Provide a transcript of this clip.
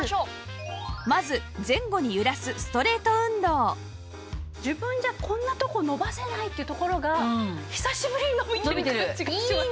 まず自分じゃこんなとこ伸ばせないってところが久しぶりに伸びてる感じがします。